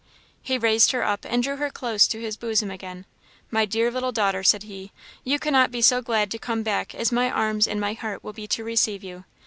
He raised her up and drew her close to his bosom again. "My dear little daughter," said he, "you cannot be so glad to come back as my arms and my heart will be to receive you.